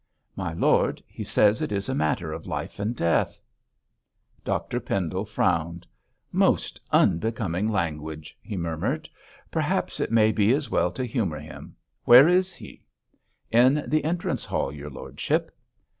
'My lord, he says it is a matter of life and death.' Dr Pendle frowned. 'Most unbecoming language!' he murmured. 'Perhaps it may be as well to humour him. Where is he?' 'In the entrance hall, your lordship!'